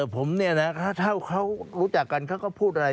ผมเนี่ยนะเท่าเขารู้จักกันเขาก็พูดอะไร